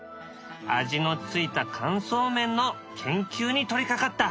味のついた乾燥麺の研究に取りかかった。